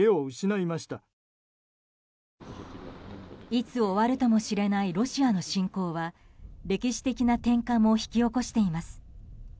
いつ終わるとも知れないロシアの侵攻は歴史的な転換も引き起こしています。